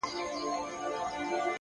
د کلي مسجد غږ د وخت اندازه بدلوي!